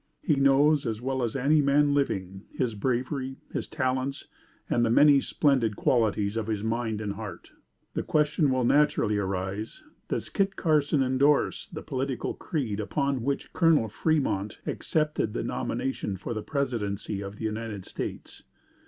He knows, as well as any man living, his bravery, his talents and the many splendid qualities of his mind and heart. The question will naturally arise, does Kit Carson indorse the political creed upon which Col. Fremont accepted the nomination for the Presidency of the United States?